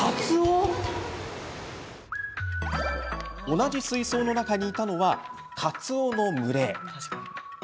同じ水槽の中にいたのはカツオの群れ。